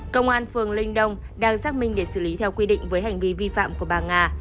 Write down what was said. công an phường linh đông đang xác minh để xử lý theo quy định với hành vi vi phạm của bà nga